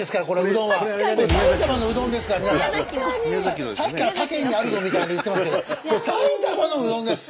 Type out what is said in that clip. そのさっきから他県にあるぞみたいに言ってますけどこれ埼玉のうどんです！